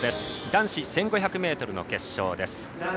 男子１５００ｍの決勝です。